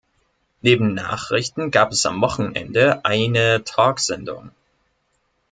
Neben Nachrichten gab es am Wochenende eine Talksendung.